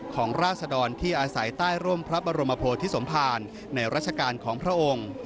ราศดรที่อาศัยใต้ร่มพระบรมโพธิสมภารในราชการของพระองค์